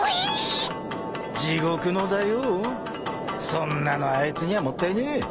［そんなのあいつにはもったいねえ］